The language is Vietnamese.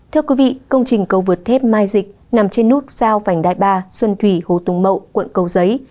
thưa quý vị công trình cầu vượt thép mai dịch nằm trên nút giao vành đai ba xuân thủy hồ tùng mậu quận cầu giấy